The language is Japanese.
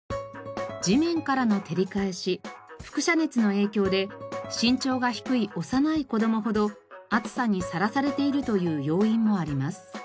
地面からの照り返し輻射熱の影響で身長が低い幼い子どもほど暑さに晒されているという要因もあります。